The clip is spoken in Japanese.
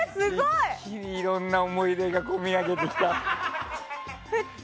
いろんな思い出が込み上げてきた。